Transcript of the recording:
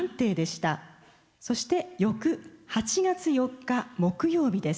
そして翌８月４日木曜日です。